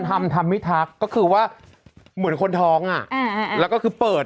ทำทำไม่ทักก็คือว่าเหมือนคนท้องอ่ะอ่าแล้วก็คือเปิด